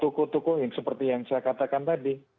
bahkan ya toko toko seperti yang saya katakan tadi